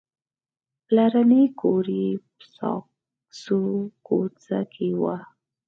پلرنی کور یې په ساګزو کوڅه کې و.